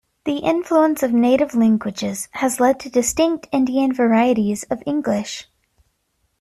The influence of native languages has led to distinct Indian varieties of English.